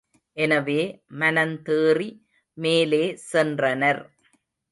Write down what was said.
எனவே மனந்தேறி மேலே சென்றனர்.